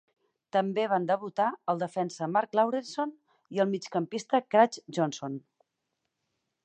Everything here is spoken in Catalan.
També van debutar el defensa Mark Lawrenson i el migcampista Craig Johnston.